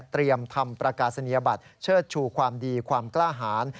ทำประกาศนียบัตรเชิดชูความดีความกล้าหาร